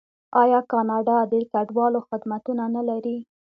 آیا کاناډا د کډوالو خدمتونه نلري؟